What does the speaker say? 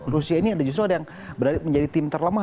rusia ini ada justru ada yang menjadi tim terlemah